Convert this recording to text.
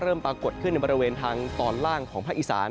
ปรากฏขึ้นในบริเวณทางตอนล่างของภาคอีสาน